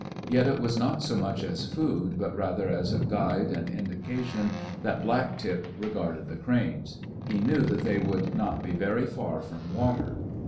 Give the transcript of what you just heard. Yet it was not so much as food, but rather as a guide and indication, that Black tip regarded the cranes. He knew that they would not be very far from water.